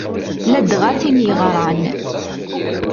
Ladɣa tin yeɣran.